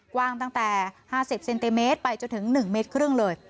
กว้างตั้งแต่๕๐เซนติเมตรไปจนถึง๑เมตรครึ่งเลย